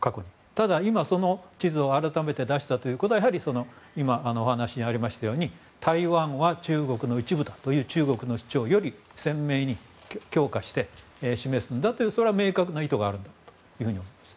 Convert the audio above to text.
ただ、その地図を改めて出したのはやはり今、話に合ったように台湾は中国の一部だという中国の主張を鮮明に強化して示すという明確な意図があるんだと思います。